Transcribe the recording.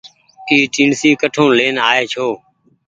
اي ٽيڻسي ڪٺون لين آئي ڇو۔